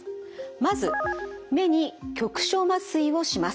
まず目に局所麻酔をします。